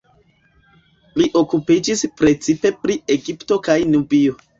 Li okupiĝis precipe pri Egipto kaj Nubio.